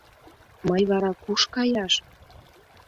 Мый вара куш каяш?